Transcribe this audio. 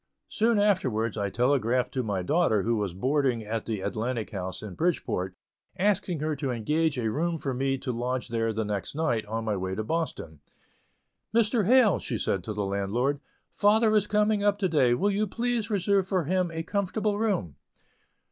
Soon afterwards, I telegraphed to my daughter who was boarding at the Atlantic House in Bridgeport, asking her to engage a room for me to lodge there the next night, on my way to Boston. "Mr. Hale," said she to the landlord, "father is coming up to day; will you please reserve him a comfortable room?"